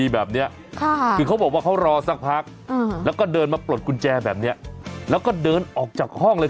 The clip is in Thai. คือเขาบอกว่าเขารอสักพักแล้วก็เดินมาปลดกุญแจแบบนี้แล้วก็เดินออกจากห้องเลย